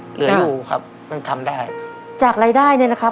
เหลืออยู่ครับมันทำได้จากรายได้เนี่ยนะครับ